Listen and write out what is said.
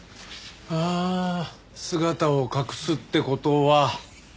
ああ姿を隠すって事は。